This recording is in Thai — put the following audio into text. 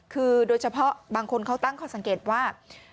คือโดยเฉพาะบางคนเขาตั้งข้อสังเกตว่า